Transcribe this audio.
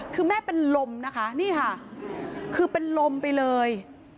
คือแม่เป็นลมนะคะนี่ค่ะคือเป็นลมไปเลย